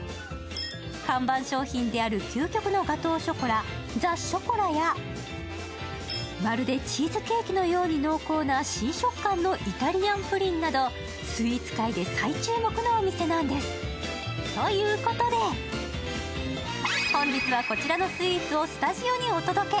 看板商品である究極のガトーショコラ、ＴＨＥｃｈｏｃｏｌａやまるでチーズケーキのように濃厚な新食感のイタリアンプリンなどスイーツ界で最注目のお店なんです。ということで、本日はこちらのスイーツをスタジオにお届け。